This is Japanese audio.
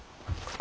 あ。